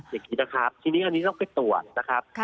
อย่างนี้นะครับทีนี้อันนี้ต้องไปตรวจนะครับ